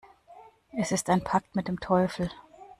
Es ist ein Pakt mit dem Teufel.